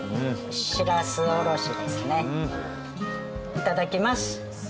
いただきます。